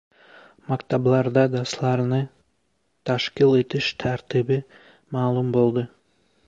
Maktablarda darslarni tashkil etish tartibi ma’lum bo‘ldi